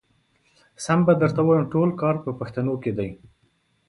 سم به درته ووايم ټول کار په پښتنو کې دی.